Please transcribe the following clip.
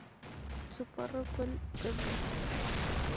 Su párroco el Pbro.